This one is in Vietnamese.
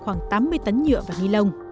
khoảng tám mươi tấn nhựa và ni lông